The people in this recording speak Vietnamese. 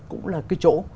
cũng là cái chỗ